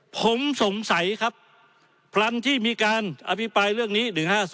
ผมสงสัยครับพลันที่มีการอภิปรายเรื่องนี้๑๕๒